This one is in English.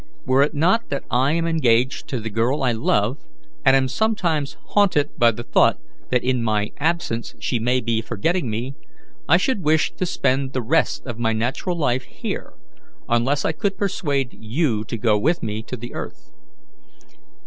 "Were it not that I am engaged to the girl I love, and am sometimes haunted by the thought that in my absence she may be forgetting me, I should wish to spend the rest of my natural life here, unless I could persuade you to go with me to the earth."